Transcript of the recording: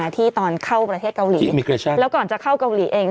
ที่ตอนเข้าประเทศเกาหลีแล้วก่อนจะเข้าเกาหลีเอง